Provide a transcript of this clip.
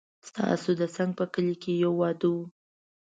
ستاسو د څنګ په کلي کې يو واده و